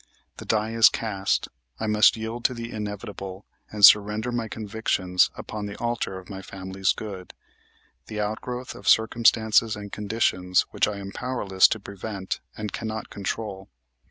"The die is cast. I must yield to the inevitable and surrender my convictions upon the altar of my family's good, the outgrowth of circumstances and conditions which I am powerless to prevent and cannot control.